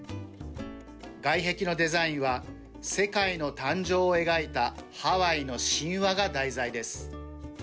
外壁のデザインは世界の誕生を描いたハワイの神話が題材です。